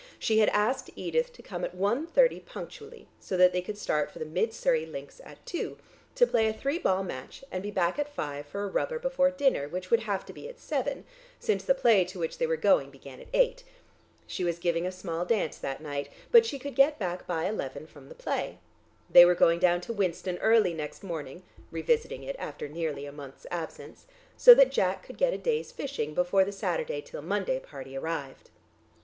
She had asked Edith to come at 1.30 punctually, so that they could start for the Mid Surrey links at two, to play a three ball match, and be back at five for a rubber before dinner which would have to be at seven, since the play to which they were going began at eight. She was giving a small dance that night, but she could get back by eleven from the play. They were going down to Winston early next morning (revisiting it after nearly a month's absence), so that Jack could get a day's fishing before the Saturday till Monday party arrived.